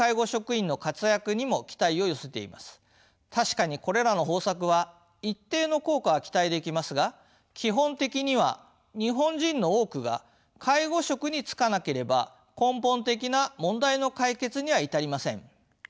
確かにこれらの方策は一定の効果は期待できますが基本的には日本人の多くが介護職に就かなければ根本的な問題の解決には至りません。